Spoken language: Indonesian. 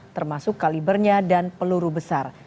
termasuk kalibernya dan peluru besar